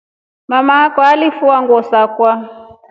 Mama akwa alingefua nguo sakwa.